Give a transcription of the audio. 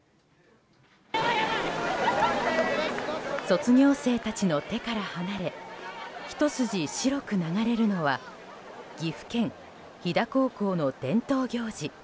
卒業生たちの手から離れひと筋、白く流れるのは岐阜県斐太高校の伝統行事